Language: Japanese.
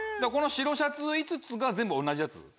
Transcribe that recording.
この白シャツ５つが全部同じやつ？